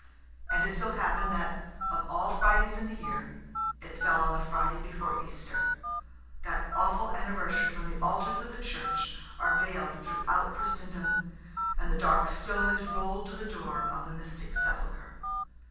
And it so happened that, of all Fridays in the year, it fell on the Friday before Easter: that awful anniversary when the altars of the Church are veiled throughout Christendom, and the dark stone is rolled to the door of the mystic sepulchre.